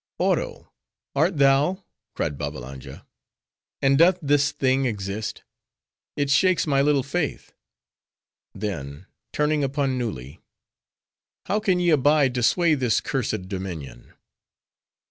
"Oro! Art thou?" cried Babbalanja; "and doth this thing exist? It shakes my little faith." Then, turning upon Nulli, "How can ye abide to sway this curs'd dominion?"